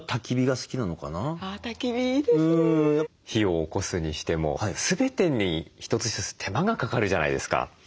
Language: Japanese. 火をおこすにしても全てに一つ一つ手間がかかるじゃないですか。